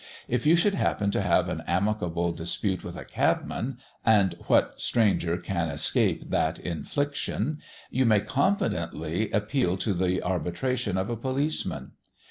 If you should happen to have an amicable dispute with a cabman and what stranger can escape that infliction? you may confidently appeal to the arbitration of a policeman.